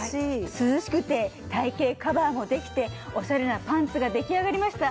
涼しくて体形カバーもできてオシャレなパンツが出来上がりました。